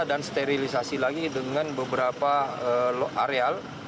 dan sterilisasi lagi dengan beberapa areal